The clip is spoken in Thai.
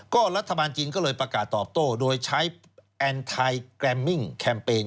ก็รัฐบาลจีนก็เลยประกาศตอบโต้โดยใช้แอนไทยแกรมมิ่งแคมเปญ